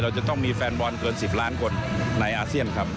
จะต้องมีแฟนบอลเกิน๑๐ล้านคนในอาเซียนครับ